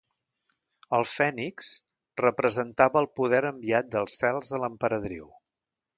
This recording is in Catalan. El fènix representava el poder enviat dels cels a l'Emperadriu.